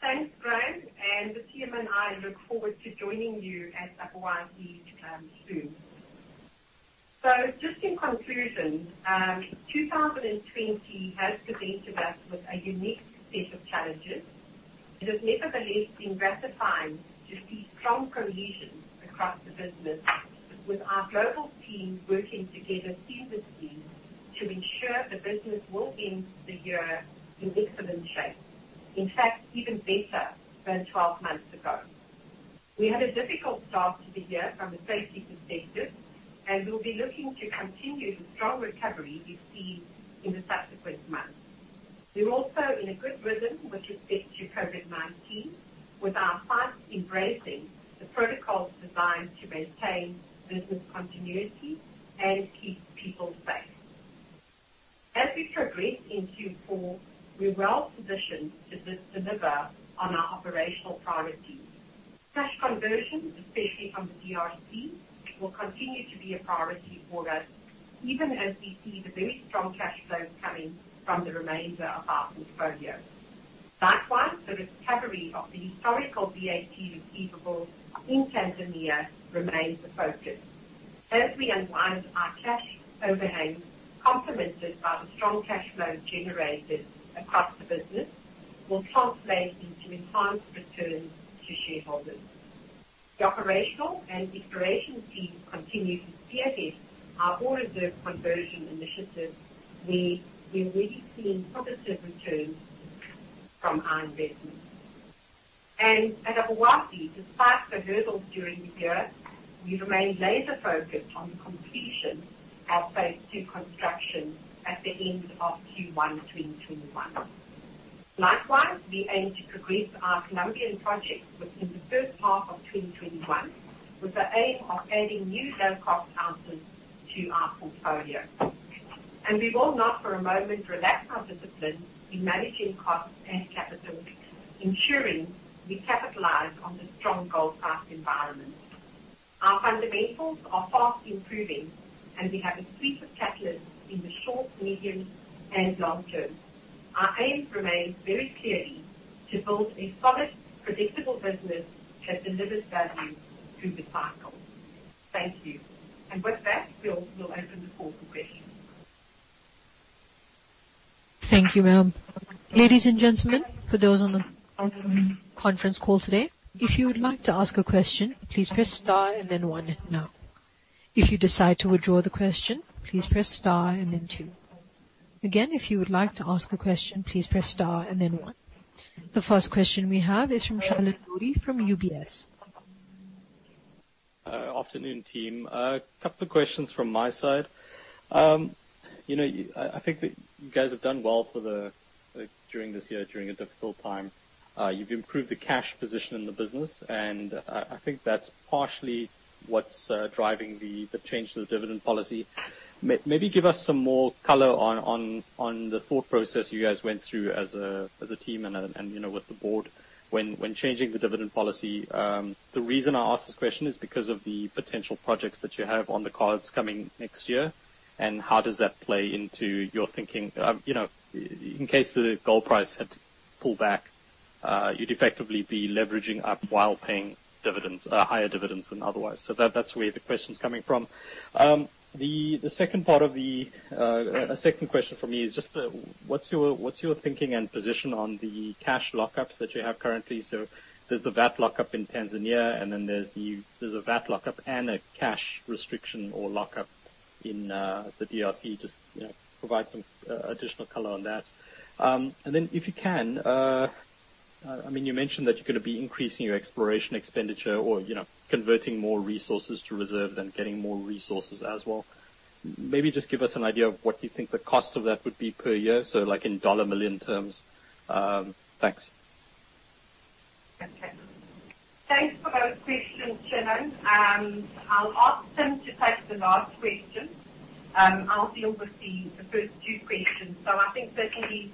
Thanks, Graham. The team and I look forward to joining you at Obuasi soon. Just in conclusion, 2020 has presented us with a unique set of challenges. It has nevertheless been gratifying to see strong cohesion across the business with our global team working together seamlessly to ensure the business will end the year in excellent shape. In fact, even better than 12 months ago. We had a difficult start to the year from a safety perspective. We'll be looking to continue the strong recovery we've seen in the subsequent months. We're also in a good rhythm with respect to COVID-19, with our sites embracing the protocols designed to maintain business continuity and keep people safe. As we progress into Q4, we're well positioned to deliver on our operational priorities. Cash conversion, especially from the DRC, will continue to be a priority for us even as we see the very strong cash flows coming from the remainder of our portfolio. Likewise, the recovery of the historical VAT receivables in Tanzania remains a focus. As we unwind our cash overhang, complemented by the strong cash flow generated across the business, will translate into enhanced returns to shareholders. The operational and exploration teams continue to assess our Ore Reserve conversion initiatives, where we're already seeing positive returns from our investments. At Obuasi, despite the hurdles during the year, we remain laser focused on completion of Phase 2 construction at the end of Q1 2021. Likewise, we aim to progress our Colombian project within the first half of 2021 with the aim of adding new low-cost ounces to our portfolio. We will not for a moment relax our discipline in managing costs and capital, ensuring we capitalize on the strong gold price environment. Our fundamentals are fast improving, and we have a suite of catalysts in the short, medium, and long term. Our aims remain very clearly to build a solid, predictable business that delivers value through the cycle. Thank you. With that, we'll open the call for questions. Thank you, ma'am. Ladies and gentlemen, for those on the conference call today, if you would like to ask a question, please press star and then one now. If you decide to withdraw the question, please press star and then two. Again if you would like to ask a question, please press star and then one. The first question we have is from Shilan Modi from UBS. Afternoon, team. A couple of questions from my side. I think that you guys have done well during this year, during a difficult time. You've improved the cash position in the business, I think that's partially what's driving the change to the dividend policy. Maybe give us some more color on the thought process you guys went through as a team and with the board when changing the dividend policy. The reason I ask this question is because of the potential projects that you have on the cards coming next year, how does that play into your thinking in case the gold price had to pull back? You'd effectively be leveraging up while paying higher dividends than otherwise. That's where the question's coming from. The second question from me is just what's your thinking and position on the cash lockups that you have currently? There's the VAT lockup in Tanzania, there's a VAT lockup and a cash restriction or lockup in the DRC. Just provide some additional color on that. If you can, you mentioned that you're going to be increasing your exploration expenditure or converting more resources to reserves than getting more resources as well. Maybe just give us an idea of what you think the cost of that would be per year, so like in dollar million terms. Thanks. Okay. Thanks for those questions, Shilan. I'll ask Tim to take the last question. I'll deal with the first two questions. I think certainly,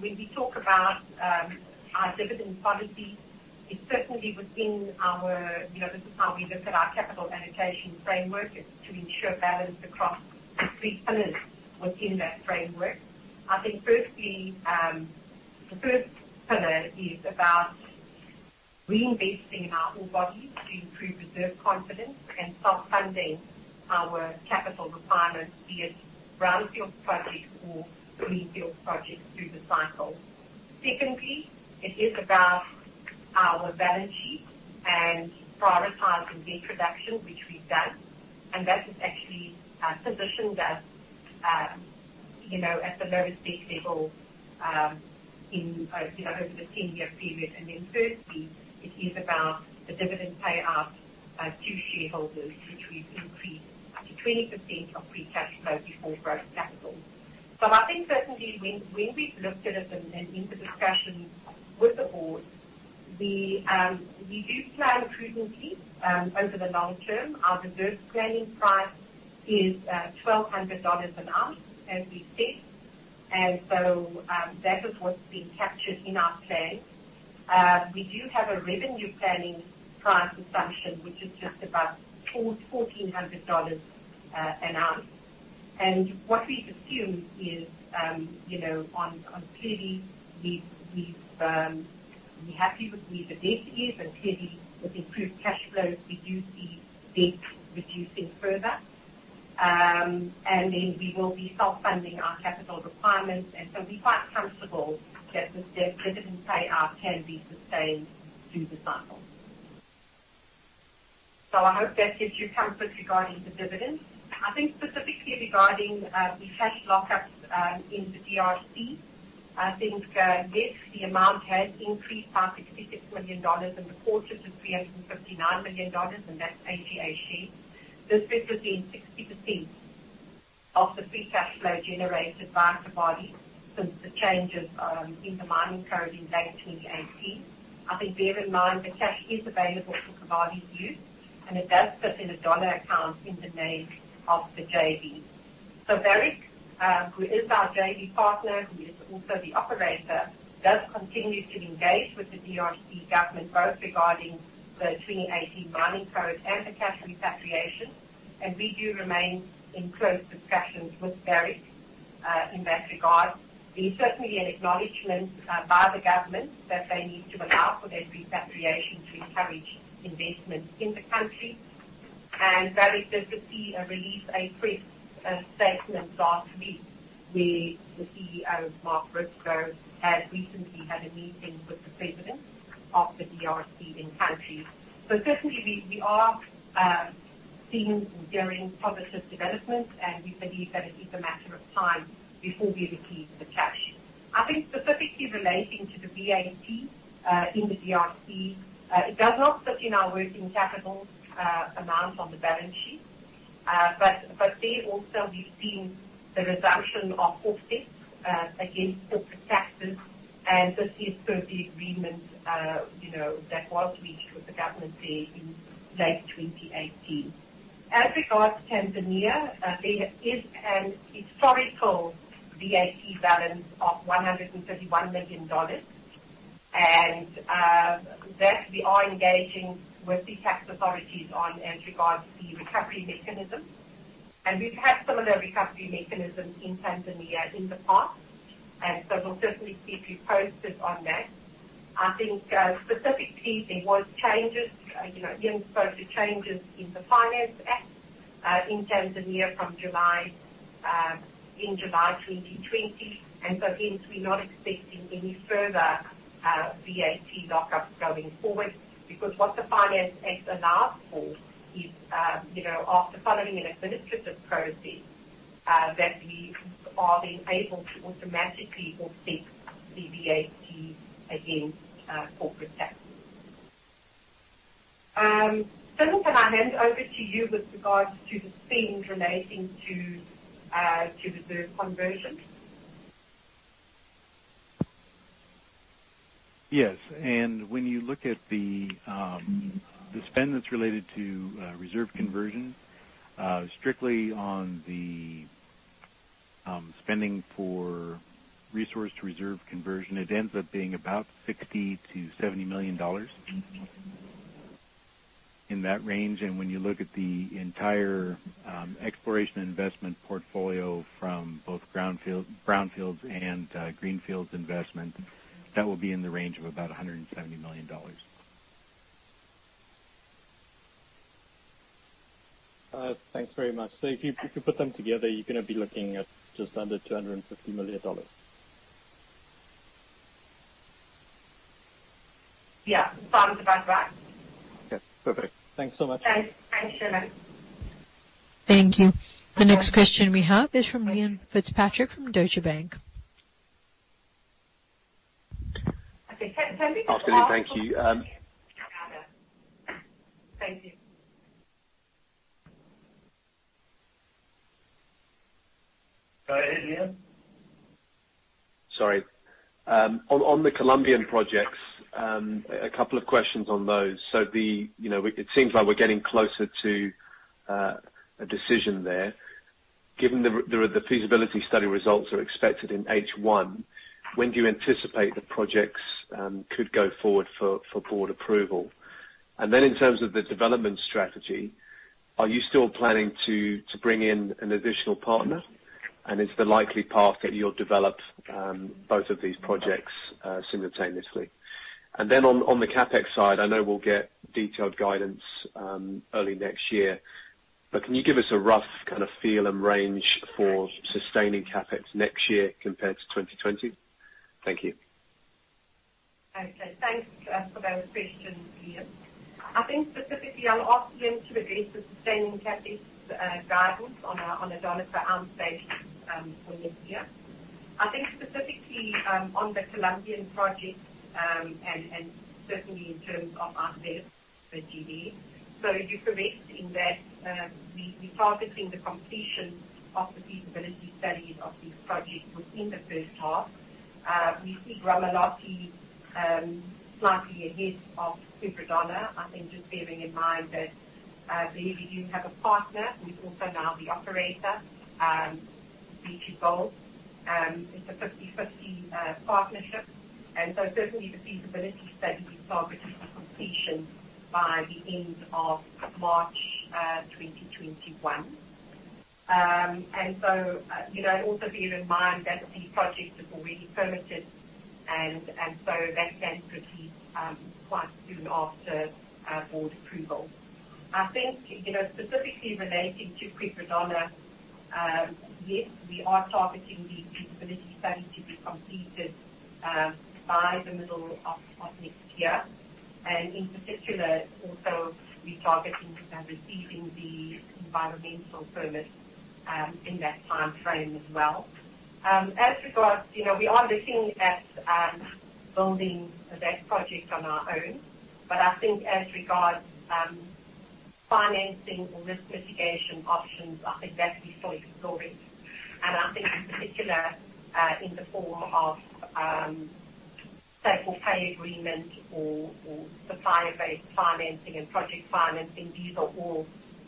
when we talk about our dividend policy, this is how we look at our capital allocation framework. It's to ensure balance across the three pillars within that framework. I think firstly, the first pillar is about reinvesting in our ore bodies to improve reserve confidence and self-funding our capital requirements via brownfield projects or greenfield projects through the cycle. Secondly, it is about our balance sheet and prioritizing debt reduction, which we've done. That has actually positioned us at the lowest debt level over the 10-year period. Thirdly, it is about the dividend payout to shareholders, which we've increased up to 20% of free cash flow before growth capital. I think certainly when we've looked at it and in the discussions with the board, we do plan prudently over the long term. Our reserve planning price is $1,200 an ounce, as we said. That is what's being captured in our plan. We do have a revenue planning price assumption, which is just about $1,400 an ounce. What we've assumed is clearly we're happy with where the debt is, and clearly with improved cash flows, we do see debt reducing further. We will be self-funding our capital requirements, we're quite comfortable that the dividend payout can be sustained through the cycle. I hope that gives you comfort regarding the dividends. I think specifically regarding the cash lockups in the DRC, I think, yes, the amount has increased by $56 million in the quarter to $359 million, and that's AGA's share. This represents 60% of the free cash flow generated by Kibali since the changes in the mining code in late 2018. I think bear in mind, the cash is available for Kibali's use, and it does sit in a dollar account in the name of the JV. Barrick, who is our JV partner, who is also the operator, does continue to engage with the DRC government, both regarding the 2018 mining code and the cash repatriation. We do remain in close discussions with Barrick in that regard. There's certainly an acknowledgement by the government that they need to allow for that repatriation to encourage investment in the country. Barrick did release a press statement last week where the CEO Mark Bristow had recently had a meeting with the president of the DRC in country. Certainly, we are seeing varying positive developments, and we believe that it is a matter of time before we receive the cash. I think specifically relating to the VAT in the DRC, it does not sit in our working capital amount on the balance sheet. There also we've seen the reduction of offsets against corporate taxes, and this is per the agreement that was reached with the government there in late 2018. As regards Tanzania, there is an historical VAT balance of $131 million, and that we are engaging with the tax authorities on as regards the recovery mechanisms. We've had similar recovery mechanisms in Tanzania in the past, and so we'll certainly keep you posted on that. I think specifically there was changes in the Finance Act in Tanzania in July 2020. Hence, we're not expecting any further VAT lockups going forward because what the Finance Act allows for is after following an administrative process, that we are then able to automatically offset the VAT against corporate taxes. Tim, can I hand over to you with regards to the spend relating to the reserve conversion? Yes. When you look at the spend that's related to reserve conversion, strictly on the spending for resource reserve conversion, it ends up being about $60 million-$70 million. Okay. In that range, when you look at the entire exploration investment portfolio from both brownfields and greenfields investment, that will be in the range of about $170 million. Thanks very much. If you could put them together, you're going to be looking at just under $250 million. Yeah. The bottom of the band is right. Okay, perfect. Thanks so much. Thanks, Shilan. Thank you. The next question we have is from Liam Fitzpatrick from Deutsche Bank. [inaudible] Okay. Thank you. Thank you. Go ahead, Liam. Sorry. On the Colombian projects, a couple of questions on those. It seems like we're getting closer to a decision there. Given the feasibility study results are expected in H1, when do you anticipate the projects could go forward for board approval? In terms of the development strategy, are you still planning to bring in an additional partner? Is the likely path that you'll develop both of these projects simultaneously? On the CapEx side, I know we'll get detailed guidance early next year, but can you give us a rough kind of feel and range for sustaining CapEx next year compared to 2020? Thank you. Okay. Thanks for those questions, Liam. I think specifically. I'll ask Ian to address the sustaining CapEx guidance on a dollar per ounce basis for next year. I think specifically on the Colombian projects, and certainly in terms of our [sales strategy]. You're correct in that we're targeting the completion of the feasibility studies of these projects within the first half. We see Gramalote slightly ahead of Quebradona. I think just bearing in mind that there we do have a partner who is also now the operator, B2Gold. It's a 50/50 partnership. Certainly the feasibility study is targeting for completion by the end of March 2021. Also bear in mind that the project is already permitted, that can proceed quite soon after board approval. I think, specifically relating to Quebradona, yes, we are targeting the feasibility study to be completed by the middle of next year. In particular, also we're targeting receiving the environmental permits in that timeframe as well. We are looking at building that project on our own, I think as regards financing or risk mitigation options, I think that we still explore it. I think in particular, in the form of take or pay agreement or supplier-based financing and project financing, these are all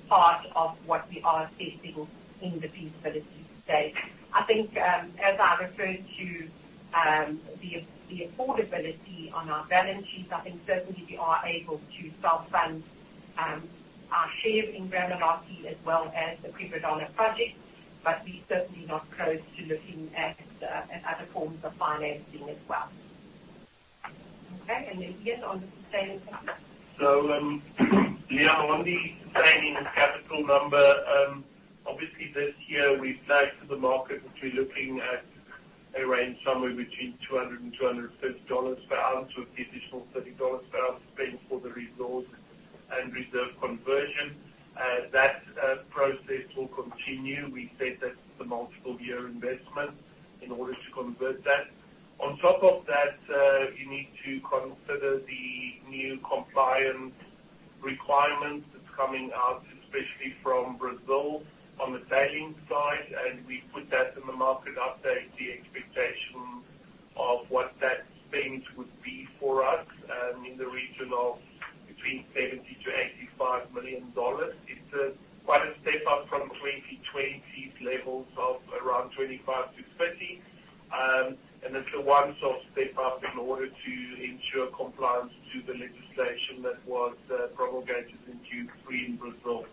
part of what we are assessing in the feasibility study. I think, as I referred to the affordability on our balance sheet, I think certainly we are able to self-fund our share in Gramalote as well as the Quebradona project, we're certainly not closed to looking at other forms of financing as well. Then Ian on the sustaining CapEx. Liam, on the sustaining capital number, obviously this year we flagged to the market that we're looking at a range somewhere between $200-$230/oz, with the additional $30/oz spent for the resource and reserve conversion. That process will continue. We said that it's a multiple year investment in order to convert that. On top of that, you need to consider the new compliance requirements that's coming out, especially from Brazil on the tailing side. We put that in the market update, the expectation of what that spend would be for us, in the region of between $70 million-$85 million. It's quite a step up from 2020's levels of around $25 million-$30 million. It's a once-off step up in order to ensure compliance to the legislation that was promulgated in Q3 in Brazil.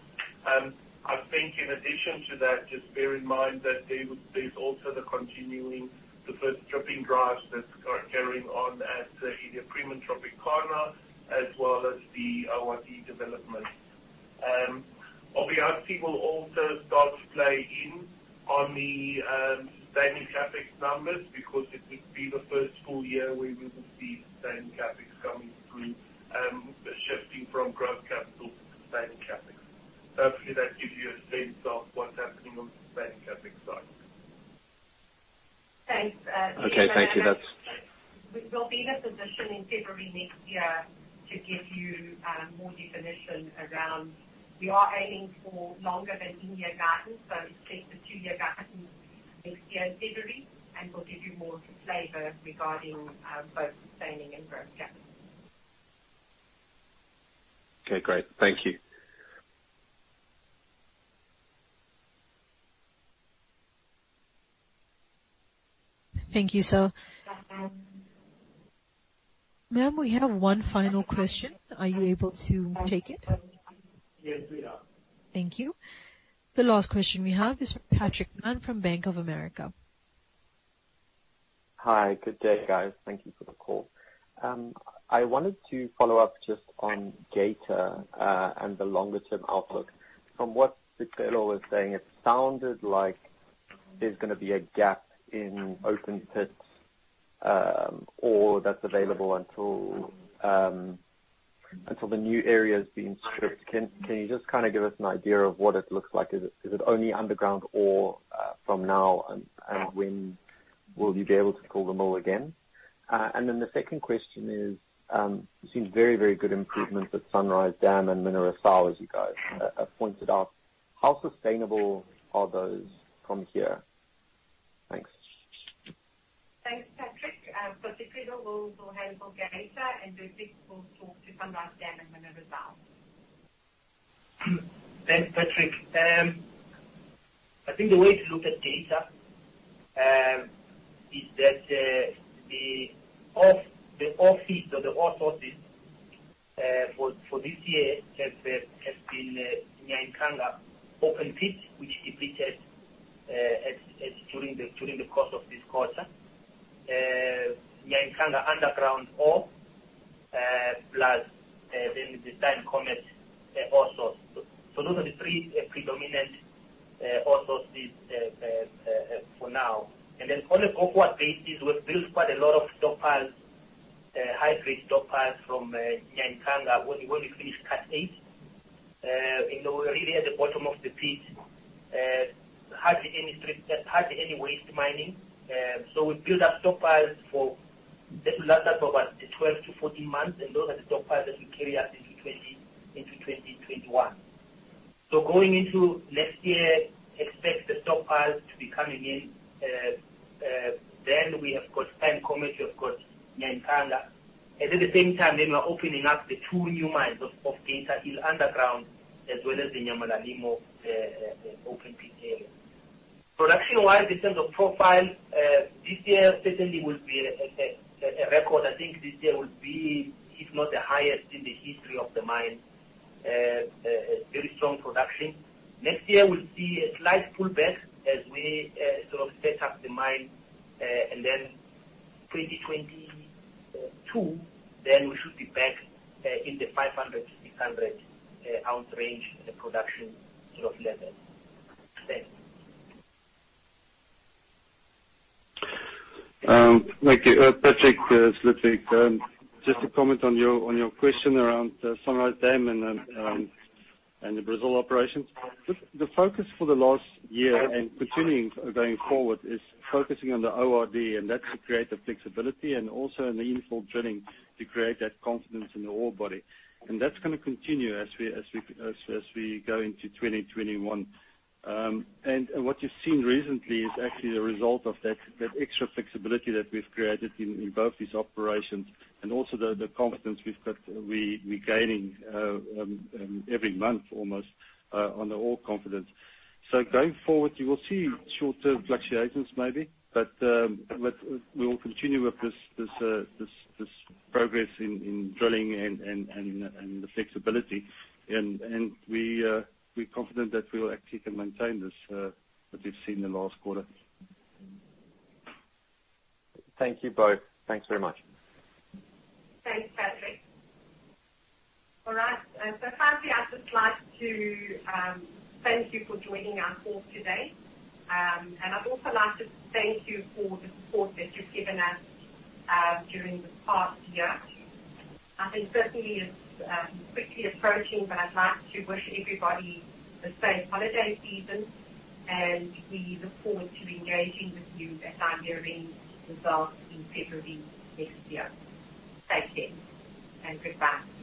I think in addition to that, just bear in mind that there is also the continuing, the first stripping drives that are carrying on at Iduapriem and Tropicana as well as the [inaudible] development. Obuasi will also start to play in on the sustaining CapEx numbers because it would be the first full year where we would see sustaining CapEx coming through, shifting from growth capital to sustaining CapEx. Hopefully, that gives you a sense of what is happening on the sustaining CapEx side. Thanks. Okay. Thank you. We'll be in a position in February next year to give you more definition around. We are aiming for longer than in-year guidance. Expect a two-year guidance next year in February, and we'll give you more flavor regarding both sustaining and growth CapEx. Okay, great. Thank you. Thank you. [inaudible] Ma'am, we have one final question. Are you able to take it? Yes, we are. Thank you. The last question we have is from Patrick Mann from Bank of America. Hi. Good day, guys. Thank you for the call. I wanted to follow up just on Geita and the longer-term outlook. From what Sicelo was saying, it sounded like there's going to be a gap in open pits ore that's available until the new area's being stripped. Can you just give us an idea of what it looks like? Is it only underground ore from now, and when will you be able to call them all again? The second question is, it seems very good improvements at Sunrise Dam and Mineração as you guys have pointed out. How sustainable are those from here? Thanks. Thanks, Patrick. Sicelo will handle Geita and Ludwig will talk to Sunrise Dam and Mineração. Thanks, Patrick. I think the way to look at Geita is that the ore feed or the ore sources for this year has been Nyankanga open pits, which depleted during the course of this quarter. Nyankanga underground ore plus then the Star & Comet ore source. Those are the three predominant ore sources for now. On an ongoing basis, we've built quite a lot of stock piles, high-grade stock piles from Nyankanga when we finished Cut 8. We're really at the bottom of the pit, hardly any waste mining. We've built up stock piles that will last us for about 12-14 months, and those are the stock piles that will carry us into 2021. Going into next year, expect the stock piles to be coming in. We have got Star & Comet, we have got Nyankanga. At the same time, they are opening up the two new mines of Geita Hill underground as well as the Nyamulilima open pit area. Production-wise, in terms of profile, this year certainly will be a record. I think this year will be, if not the highest in the history of the mine. Very strong production. Next year, we'll see a slight pullback as we sort of set up the mine. 2022, then we should be back in the 500,000 oz-600,000 oz range in the production sort of level. Thanks. Thank you. Patrick, it's Ludwig. Just to comment on your question around Sunrise Dam and the Brazil operations. The focus for the last year and continuing going forward is focusing on the ORD, and that should create the flexibility and also in the infill drilling to create that confidence in the ore body. That's going to continue as we go into 2021. What you've seen recently is actually a result of that extra flexibility that we've created in both these operations and also the confidence we're gaining every month almost on the ore confidence. Going forward, you will see short-term fluctuations maybe, but we will continue with this progress in drilling and the flexibility. We're confident that we actually can maintain this that we've seen in the last quarter. Thank you both. Thanks very much. Thanks, Patrick. All right. Finally, I'd just like to thank you for joining our call today. I'd also like to thank you for the support that you've given us during the past year. I think certainly it's quickly approaching, but I'd like to wish everybody a safe holiday season, and we look forward to engaging with you at our year-end results in February 2021. Thanks again, and goodbye.